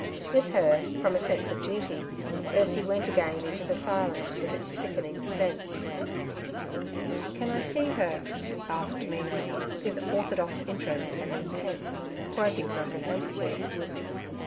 With her, from a sense of duty, Ursie went again into the silence with its sickening scents. 'Can I see her?' asked Mina, with orthodox interest and intent, groping for her handkerchief.